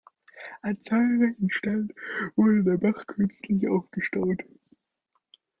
An zahlreichen Stellen wurde der Bach künstlich aufgestaut.